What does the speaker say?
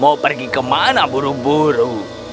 kayu mau pergi ke mana buru buru